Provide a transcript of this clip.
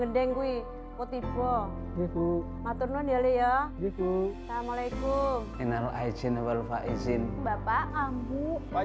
gendeng kwe poti boh maturnun yole ya assalamualaikum innalaizin walfaizin bapak ngambuk